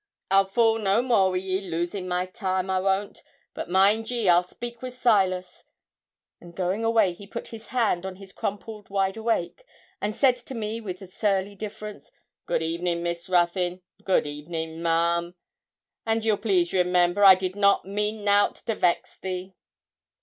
'I'll fool no more wi' ye, losing my time; I won't; but mind ye, I'll speak wi' Silas.' And going away he put his hand to his crumpled wide awake, and said to me with a surly difference 'Good evening, Miss Ruthyn good evening, ma'am and ye'll please remember, I did not mean nout to vex thee.'